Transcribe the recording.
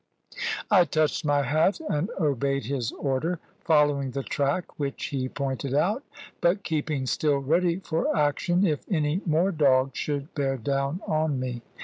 I touched my hat and obeyed his order, following the track which he pointed out, but keeping still ready for action if any more dogs should bear down on me.